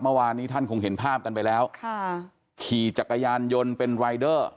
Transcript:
เมื่อวานนี้ท่านคงเห็นภาพกันไปแล้วค่ะขี่จักรยานยนต์เป็นรายเดอร์